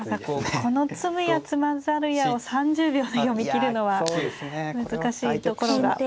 ただこの詰むや詰まざるやを３０秒で読み切るのは難しいところが。